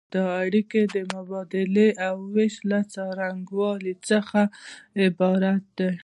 دا اړیکې د مبادلې او ویش له څرنګوالي څخه عبارت دي.